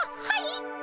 はい。